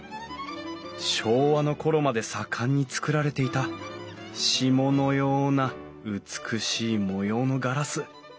昭和の頃まで盛んに作られていた霜のような美しい模様のガラス。